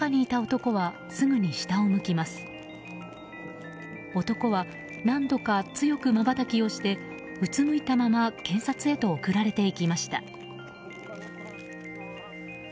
男は何度か強くまばたきをしてうつむいたまま検察へと送られていきました。